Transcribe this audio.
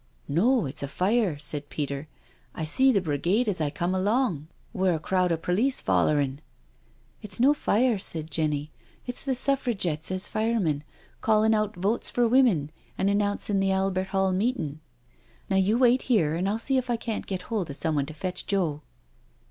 " No — it's a fire," said Peter. " I see the brigade as I come along, wi' a crowd o' perlice foUerin'." " It's no fire," said Jenny. " It's the Suffragettes as firemen, callin' out ' Votes for Women,' and an nouncing the Albert Hall meeting. Now, you wait here and I'll see if I can't get hold of someone to fetch Joe."